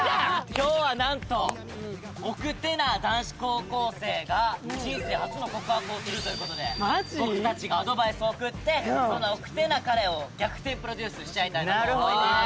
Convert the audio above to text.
今日はなんと奥手な男子高校生が人生初の告白をするという事で僕たちがアドバイスを送ってその奥手な彼を逆転プロデュースしちゃいたいなと思います。